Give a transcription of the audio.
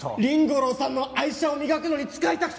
凛吾郎さんの愛車を磨くのに使いたくて！